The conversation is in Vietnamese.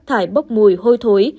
thải bốc mùi hôi thối